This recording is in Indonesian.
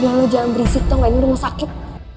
udah lo jangan berisik tau gak ini udah mau sakit